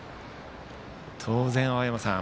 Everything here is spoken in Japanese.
当然、青山さん